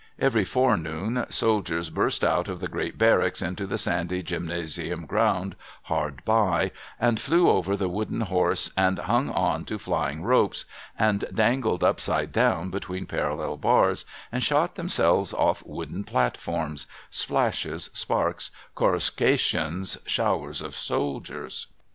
Every forenoon, soldiers burst out of the great barracks into the sandy gymnasium ground hard by, and flew over the wooden horse, and hung on to flying ropes, THE GREAT PLACE ON MARKET DAYS 293 and dangled upside down between parallel bars, and shot them selves off wooden platforms, — splashes, sparks, coruscations, showers of soldiers.